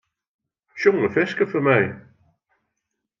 Sjong in ferske foar my.